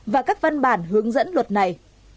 và các văn bản hướng dẫn luật này